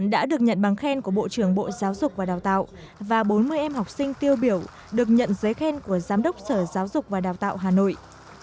đã được nhận bằng khen của bộ trưởng bộ giáo dục và đào tạo và bốn mươi em học sinh tiêu biểu được nhận giấy khen của giám đốc sở giáo dục và đào tạo hà nội